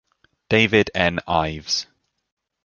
David N. Ives.